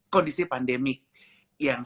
kondisi pandemi yang